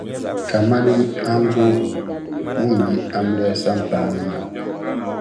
kaman aŋgo ŋun yi amiliya sampaa ni na.